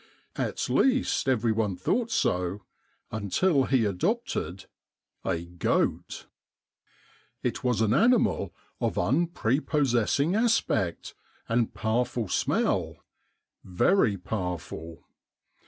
At least every one thought so, until he adopted a EBENEEZER THE GOAT 139 goat. It was an animal of unprepossessing aspect and powerful smell — very powerful.